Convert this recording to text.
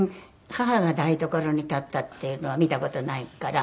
母が台所に立ったっていうのは見た事ないから。